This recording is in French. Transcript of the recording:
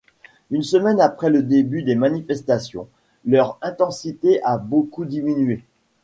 Une semaine après le début des manifestations, leur intensité a beaucoup diminué.